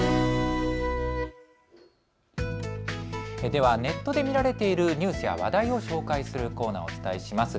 では、ネットで見られているニュースや話題を紹介するコーナーをお伝えします。